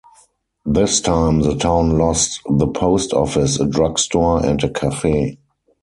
This time the town lost the post office, a drug store and a cafe.